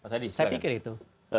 saya pikir itu